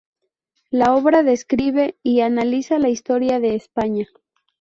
La obra describe y analiza la historia de España.